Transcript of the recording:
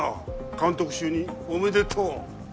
監督就任おめでとう